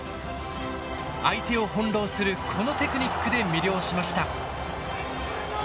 相手を翻弄するこのテクニックで魅了しました。